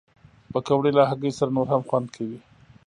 پکورې له هګۍ سره نور هم خوند کوي